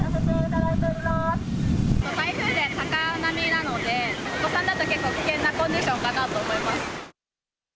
台風で高波なので、お子さんだと結構、危険なコンディションかなと思います。